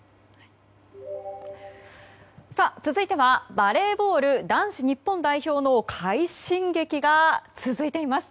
続いては、バレーボール男子日本代表の快進撃が続いています。